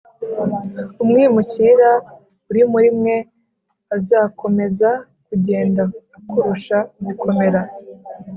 umwimukira uri muri mwe azakomeza kugenda akurusha gukomera,